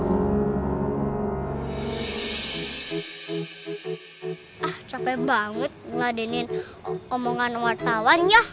ah capek banget ngadenin omongan wartawan ya